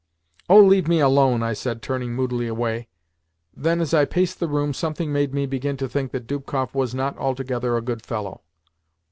"Oh, leave me alone," I said, turning moodily away. Then, as I paced the room, something made me begin to think that Dubkoff was not altogether a good fellow.